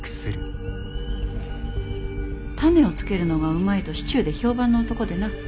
種をつけるのがうまいと市中で評判の男でな。